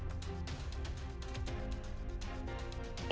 berita terbaru dari kompas tv